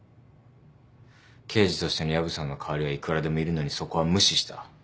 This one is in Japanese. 刑事としての薮さんの代わりはいくらでもいるのにそこは無視した。